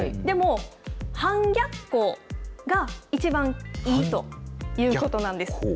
でも、半逆光が一番いいということなんです。